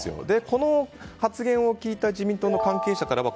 この発言を聞いた自民党の関係者からは